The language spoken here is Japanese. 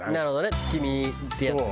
月見ってやつね。